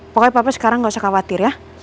pokoknya papa sekarang nggak usah khawatir ya